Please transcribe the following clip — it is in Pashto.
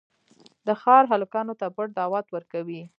د ښار هلکانو ته پټ دعوت ورکوي.